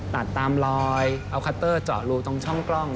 ตัดตามลอยเอาคัตเตอร์เจาะรูตรงช่องกล้อง